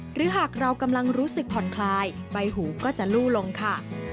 หรือหากเรากำลังรู้สึกผ่อนคลายใบหูก็จะลู่ลงค่ะ